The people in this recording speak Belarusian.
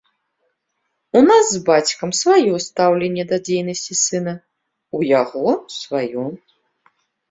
У нас з бацькам сваё стаўленне да дзейнасці сына, у яго сваё.